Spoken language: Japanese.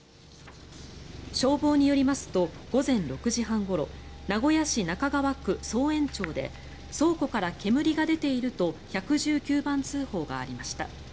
消防によりますと午前６時半ごろ名古屋市中川区宗円町で倉庫から煙が出ていると１１９番通報がありました。